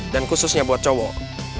dan khususnya buat cowok